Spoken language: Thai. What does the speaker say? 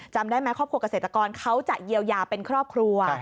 จำได้ไหมครอบครัวเกษตรกรเขาจะเยียวยาเป็นครอบครัว